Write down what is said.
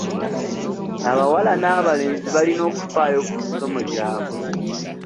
Abawala n'abalenzi balina okufaayo ku misomo gyabwe.